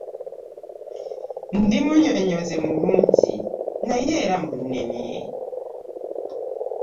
Ndi munnyonnyozi mulungi naye era munnemye.